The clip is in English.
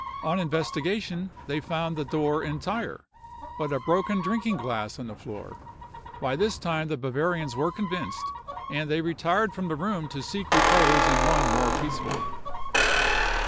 On investigation they found the door entire, but a broken drinking glass on the floor. By this time the Bavarians were convinced, and they retired from the room to seek repose in one more peaceful.